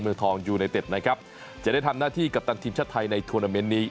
เมืองทองยูไนเต็ดนะครับจะได้ทำหน้าที่กัปตันทีมชาติไทยในทวนาเมนต์นี้